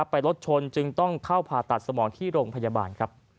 ไปรถชนจึงต้องเข้าผ่าตัดสมองที่โรงพยาบาลครับ